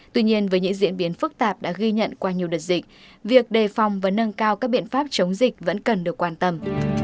tuy nhiên với những diễn biến phức tạp đã ghi nhận qua nhiều đợt dịch việc đề phòng và nâng cao các biện pháp chống dịch vẫn cần được quan tâm